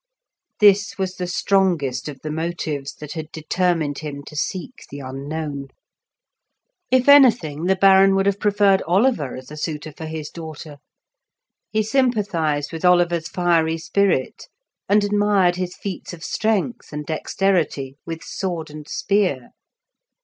This was the strongest of the motives that had determined him to seek the unknown. If anything, the Baron would have preferred Oliver as a suitor for his daughter; he sympathized with Oliver's fiery spirit, and admired his feats of strength and dexterity with sword and spear.